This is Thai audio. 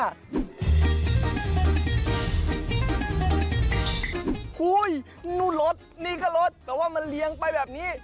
โอ้โหนู่นรถนี่ก็รถแต่ว่ามันเลี้ยงไปแบบนี้